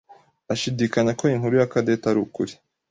ashidikanya ko inkuru ya Cadette ari ukuri.